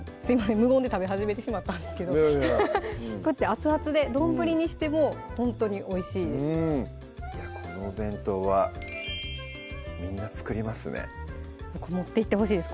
無言で食べ始めてしまったんですけどこうやって熱々で丼にしてもほんとにおいしいですこのお弁当はみんな作りますね持っていってほしいです